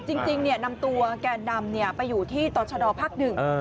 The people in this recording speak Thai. จริงนำตัวแก่นดำไปอยู่ที่ตรวจชะดอลภักดิ์หนึ่ง